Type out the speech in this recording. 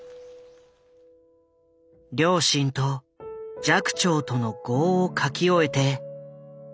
両親と寂聴との業を書き終えて今思うこと。